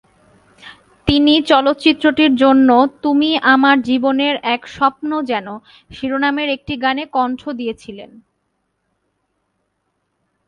তিনি চলচ্চিত্রটির জন্য "তুমি আমার জীবনের এক স্বপ্ন যেন" শিরোনামের একটি গানে কণ্ঠ দিয়েছিলেন।